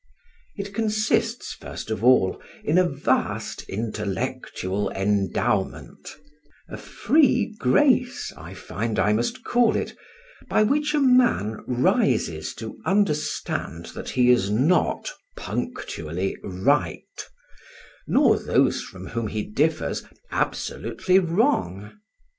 It consists, first of all, in a vast intellectual endowment a free grace, I find I must call it by which a man rises to understand that he is not punctually right, nor those from whom he differs absolutely wrong.